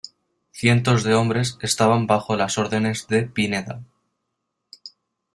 Cientos de hombres estaban bajo las órdenes de Pineda.